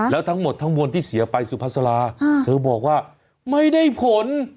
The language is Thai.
แล้วทั้งหมดทั้งมวลที่เสียไปสุภาษาลาเธอบอกว่าไม่ได้ผล